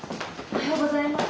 おはようございます。